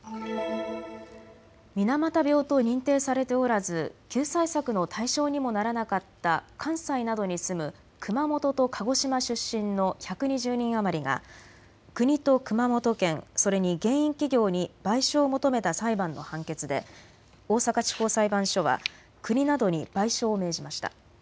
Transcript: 水俣病と認定されておらず救済策の対象にもならなかった関西などに住む熊本と鹿児島出身の１２０人余りが国と熊本県、それに原因企業に賠償を求めた裁判の判決で大阪地方裁判所は国などに賠償を命じました。